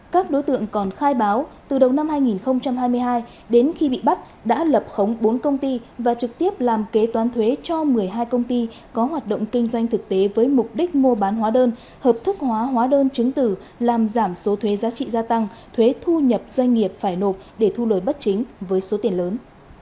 các đối tượng còn khai báo từ đầu năm hai nghìn hai mươi hai đến khi bị bắt đã lập khống bốn công ty và trực tiếp làm kế toán thuế cho một mươi hai công ty có hoạt động kinh doanh thực tế với mục đích mua bán hóa đơn hợp thức hóa hóa đơn chứng tử làm giảm số thuế giá trị gia tăng thuế thu nhập doanh nghiệp phải nộp để thu lời bất chính với số tiền lớn